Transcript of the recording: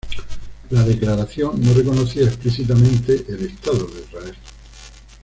La declaración no reconocía explícitamente el Estado de Israel.